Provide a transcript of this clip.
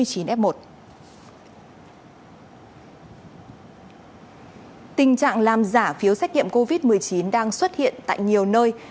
tình trạng làm giả phiếu xét nghiệm covid một mươi chín đang xuất hiện tại nhiều nơi